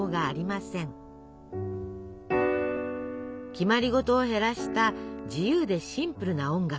決まりごとを減らした自由でシンプルな音楽を。